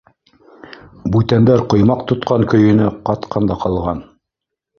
— Бүтәндәр ҡоймаҡ тотҡан көйөнә ҡатҡан да ҡалған.